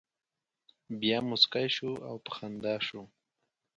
بیا مسکی شو او په خندا شو.